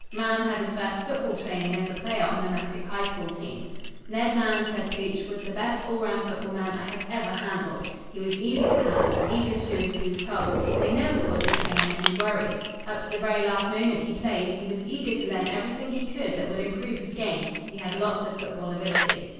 Mahan had his first football training as a player on the Natick High School team. "Ned Mahan," said Pooch, "was the best all around football man I have ever handled. He was easy to handle, eager to do as he was told, and he never caused the trainer any worry. Up to the very last moment he played, he was eager to learn everything he could that would improve his game. He had lots of football ability.